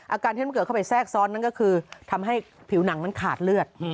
อาการที่มันเกิดเข้าไปแทรกซ้อนนั้นก็คือทำให้ผิวหนังมันขาดเลือด